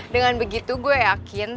dengan begitu gue yakin